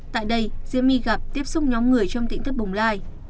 tại đây diễm my gặp tiếp xúc nhóm người trong tỉnh thất bồng lai